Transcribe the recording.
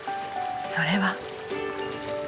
それは。